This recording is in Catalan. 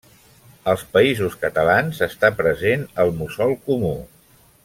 Als Països Catalans està present el mussol comú.